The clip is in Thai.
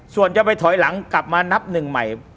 ส่วนจะไปถอยหลังกลับมานับหนึ่งใหม่